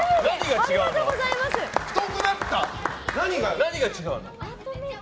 何が違うの？